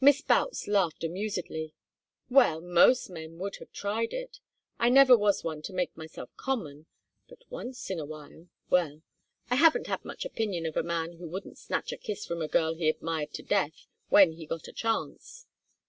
Miss Boutts laughed amusedly. "Well, most men would have tried it. I never was one to make myself common, but once in a while well! I haven't much opinion of a man who wouldn't snatch a kiss from a girl he admired to death, when he got a chance."